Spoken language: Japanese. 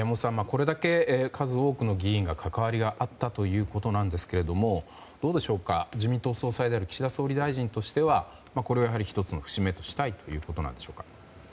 これだけ数多くの議員が関わりがあったということなんですが自民党総裁である岸田総理大臣としてはこれを１つの節目としたいということなんでしょうか。